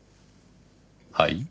はい？